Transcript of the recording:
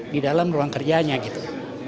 di dalam ruang kerjanya gitu